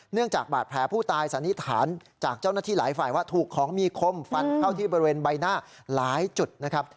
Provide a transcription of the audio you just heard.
จากบาดแผลผู้ตายสันนิษฐานจากเจ้าหน้าที่หลายฝ่ายว่าถูกของมีคมฟันเข้าที่บริเวณใบหน้าหลายจุดนะครับ